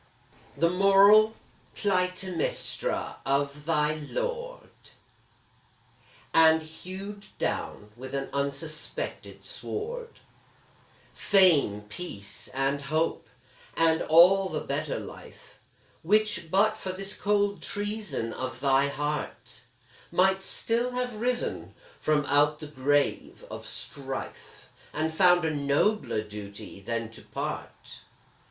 The moral Clytemnestra of thy lord, And hewed down, with an unsuspected sword, Fame, peace, and hope and all the better life Which, but for this cold treason of thy heart, Might still have risen from out the grave of strife, And found a nobler duty than to part.